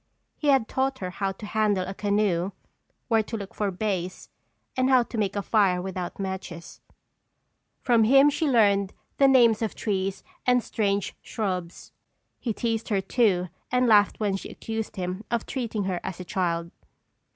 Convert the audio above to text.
He had taught her how to handle a canoe, where to look for bass and how to make a fire without matches; from him she had learned the names of trees and strange shrubs. He teased her too and laughed when she accused him of treating her as a child.